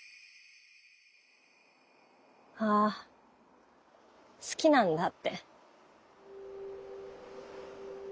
あ好きなんだって。